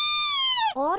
あれ？